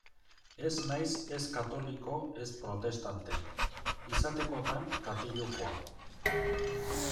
Ez naiz ez katoliko ez protestante; izatekotan katilukoa.